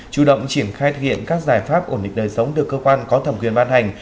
chủ động triển khai thực hiện các giải pháp ổn định đời sống được cơ quan có thẩm quyền ban hành